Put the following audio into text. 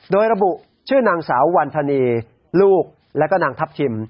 โดยระบุชื่อนางสาววันธนีลูกและก็นางทัพทิม